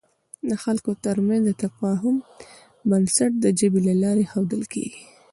د خلکو تر منځ د تفاهم بنسټ د ژبې له لارې اېښودل کېږي.